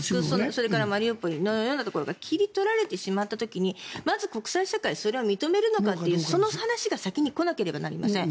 それからマリウポリのようなところが切り取られてしまった場合にまず国際社会それを認めるのかという話が先に来なければなりません。